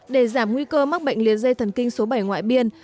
để giảm nguy cơ mắc bệnh liền dây thần kinh số bảy ngoại biên